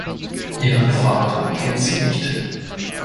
Ihren Vater kennt sie nicht.